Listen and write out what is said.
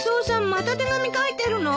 また手紙書いてるの？